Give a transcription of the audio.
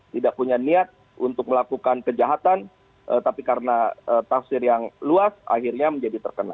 tidak punya niat untuk melakukan kejahatan tapi karena tafsir yang luas akhirnya menjadi terkena